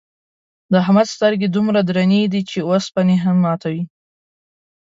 د احمد سترگې دومره درنې دي، چې اوسپنې هم ماتوي.